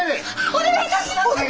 お願い致します！